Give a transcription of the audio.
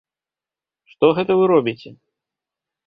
Што гэта вы робіце?